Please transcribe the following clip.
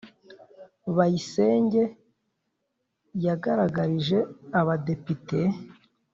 bayisenge yagaragarije abadepite